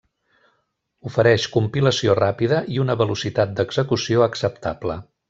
Ofereix compilació ràpida i una velocitat d'execució acceptable.